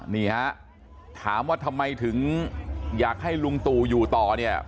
นี่ฮะถามว่าทำไมถึงอยากให้ลุงตู่อยู่ต่อเนี่ย